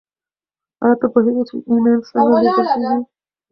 ایا ته پوهېږې چې ایمیل څنګه لیږل کیږي؟